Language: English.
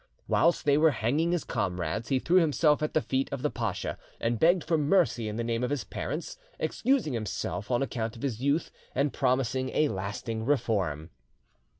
Whilst they were hanging his comrades, he threw himself at the feet of the pacha and begged for mercy in the name of his parents, excusing himself on account of his youth, and promising a lasting reform.